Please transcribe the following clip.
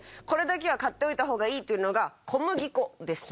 これだけは買っておいた方がいいというのが。